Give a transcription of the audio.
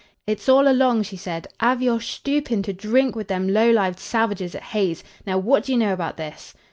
"It's all along," she said, "av your shtoopin' to dhrink wid them low lived salvages at Hay's. Now, what d'ye know about this?"